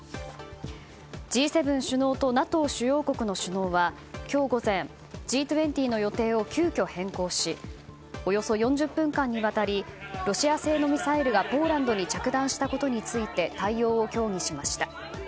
Ｇ７首脳とＮＡＴＯ主要国の首脳は、今日午前Ｇ２０の予定を急きょ変更しおよそ４０分間にわたりロシア製のミサイルがポーランドに着弾したことについて対応を協議しました。